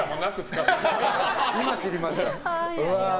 今、知りました。